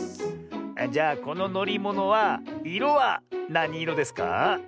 あっじゃあこののりものはいろはなにいろですか？